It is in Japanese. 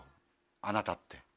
あなたって。